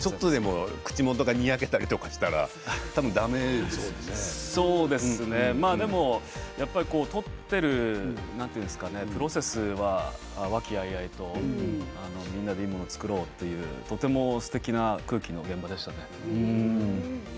口元がにやけたりしたらでも撮っているプロセスは和気あいあいとみんなでいいものを作ろうととてもすてきな空気の現場でした。